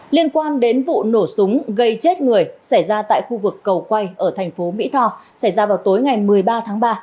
liên quan đến vụ nổ súng gây chết người xảy ra tại khu vực cầu quay ở thành phố mỹ tho xảy ra vào tối ngày một mươi ba tháng ba